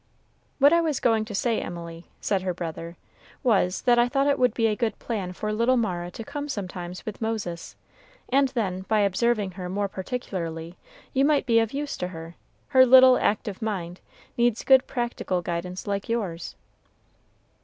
"What I was going to say, Emily," said her brother, "was, that I thought it would be a good plan for little Mara to come sometimes with Moses; and then, by observing her more particularly, you might be of use to her; her little, active mind needs good practical guidance like yours."